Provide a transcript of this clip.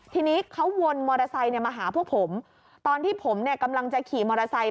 ทีนี้เขาวนมอเตอร์ไซค์มาหาพวกผมตอนที่ผมเนี่ยกำลังจะขี่มอเตอร์ไซค